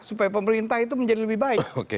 supaya pemerintah itu menjadi lebih baik